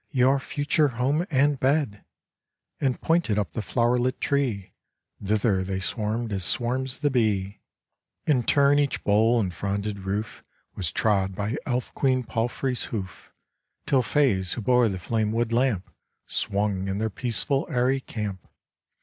your future home and bed!' And pointed up the flower lit tree, Thither they swarmed as swarms the bee! In turn each bole and fronded roof Was trod by Elf queen palfrey's hoof, Till fays who bore the flame wood lamp, Swung in their peaceful airy camp.